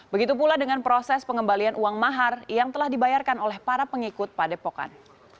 begitu pula dengan proses pengembalian uang mahar yang telah dibayarkan oleh para pengikut padepokan